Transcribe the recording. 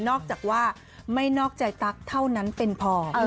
จากว่าไม่นอกใจตั๊กเท่านั้นเป็นพอ